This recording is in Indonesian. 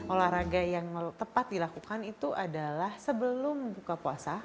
olahraga yang tepat dilakukan itu adalah sebelum buka puasa